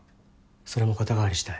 それも肩代わりしたい。